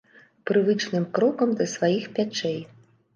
Прывычным крокам да сваіх пячэй.